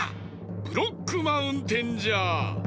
ブロックマウンテンじゃ！